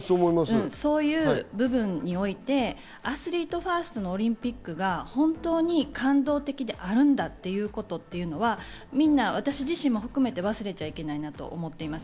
そういう部分において、アスリートファーストのオリンピックが本当に感動的であるんだということというのは私自身も含めて忘れちゃいけないなと思ってます。